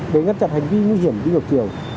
để ngắt chặt hành vi nguy hiểm đi ngược chiều